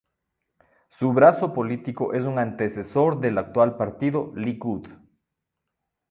Su brazo político es un antecesor del actual partido Likud.